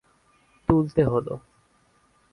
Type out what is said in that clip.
– তুলতে হল।